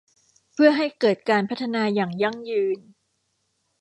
เพื่อให้เกิดการพัฒนาอย่างยั่งยืน